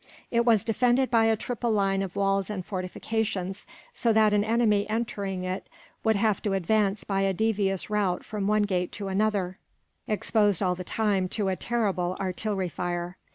It was defended by a triple line of walls and fortifications, so that an enemy entering it would have to advance by a devious route from one gate to another, exposed all the time to a terrible artillery fire.